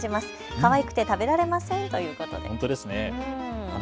かわいくて食べられませんということです。